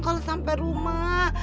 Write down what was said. kalau sampai rumah